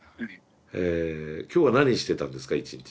今日は何してたんですか一日。